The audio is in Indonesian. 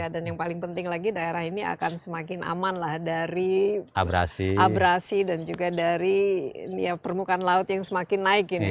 dan yang paling penting lagi daerah ini akan semakin aman lah dari abrasi dan juga dari permukaan laut yang semakin naik